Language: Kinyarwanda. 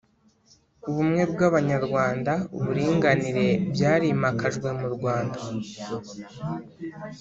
ubumwe bwabanyarwanda uburinganire byarimakajwe mu Rwanda